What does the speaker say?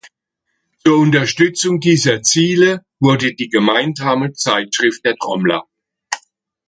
Zur Unterstützung dieser Ziele wurde die gemeinsame Zeitschrift „Der Trommler.